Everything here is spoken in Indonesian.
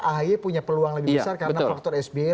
ahy punya peluang lebih besar karena faktor sby